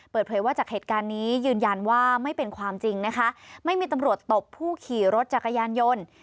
เปิดเผยว่าจากเหตุการณ์นี้ยืนยันว่าไม่เป็นความจริงนะคะไม่มีตำรวจตบผู้ขี่รถจักรยานยนต์